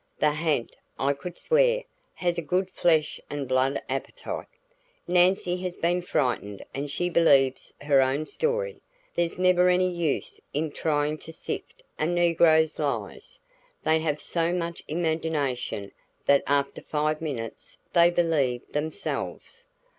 The ha'nt, I could swear, has a good flesh and blood appetite. Nancy has been frightened and she believes her own story. There's never any use in trying to sift a negro's lies; they have so much imagination that after five minutes they believe themselves."